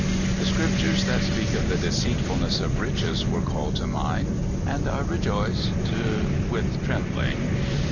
The scriptures that speak of the deceitfulness of riches were called to mind, and I rejoiced with trembling.